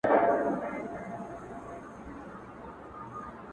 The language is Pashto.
• وتاته زه په خپله لپه كي ـ